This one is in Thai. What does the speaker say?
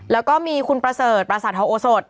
แล้วก็มีคุณประเสริฐประสาททองโอสด